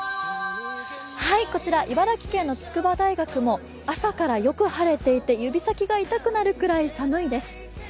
こちら茨城県の筑波大学も朝からよく晴れていて、指先が痛くなるくらい寒いです。